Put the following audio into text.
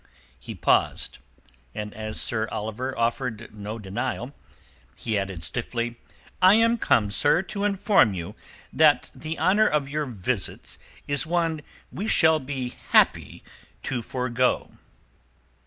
He paused, and as Sir Oliver offered no denial, he added stiffly: "I am come, sir, to inform you that the honour of your visits is one we shall be happy to forgo."